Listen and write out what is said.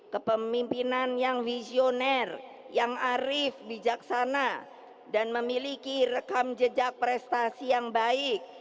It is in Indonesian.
kepemimpinan yang visioner yang arif bijaksana dan memiliki rekam jejak prestasi yang baik